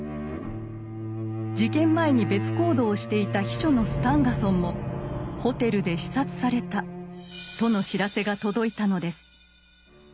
事件前に別行動をしていた秘書のスタンガソンもホテルで刺殺されたとの知らせが届いたのです。